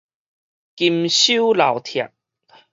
金收樓拆